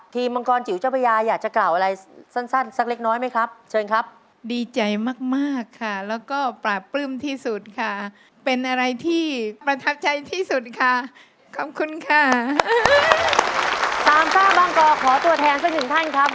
มีมังกรสิวทะพยาจะพาใครไปในยนต์ที่หนึ่งนะครับ